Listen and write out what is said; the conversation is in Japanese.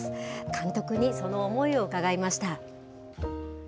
監督にその思いを伺いました。